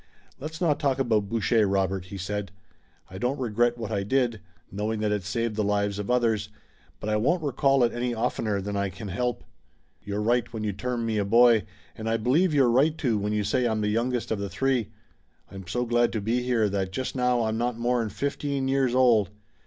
"Let's not talk about Boucher, Robert," he said. "I don't regret what I did, knowing that it saved the lives of others, but I won't recall it any oftener than I can help. You're right when you term me a boy, and I believe you're right, too, when you say I'm the youngest of the three. I'm so glad to be here that just now I'm not more'n fifteen years old.